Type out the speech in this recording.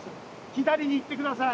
左に行ってください。